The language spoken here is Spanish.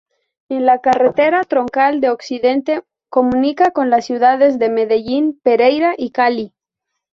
La carretera Troncal de Occidente comunica con las ciudades de Medellín, Pereira y Cali.